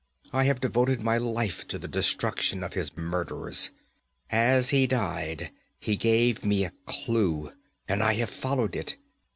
'I have devoted my life to the destruction of his murderers. As he died he gave me a clue, and I have followed it.